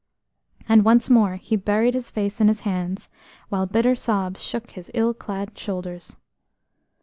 And once more he buried his face in his hands, while bitter sobs shook his ill clad shoulders.